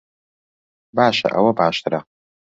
باشە، ئەوە باشترە؟